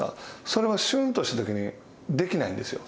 それをしゅんとしたときにできないんですよ。